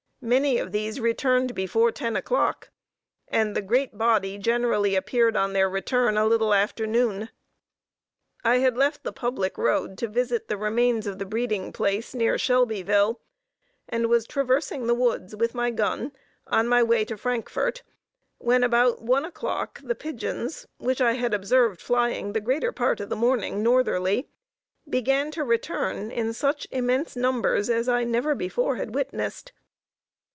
Many of these returned before ten o'clock, and the great body generally appeared on their return a little after noon. I had left the public road to visit the remains of the breeding place near Shelbyville, and was traversing the woods with my gun, on my way to Frankfort, when, about one o'clock, the pigeons, which I had observed flying the greater part of the morning northerly, began to return in such immense numbers as I never before had witnessed.